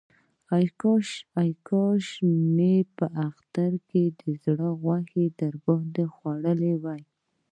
کاشکې مې په اختر کې د زړه غوښې در باندې خوړلې وای.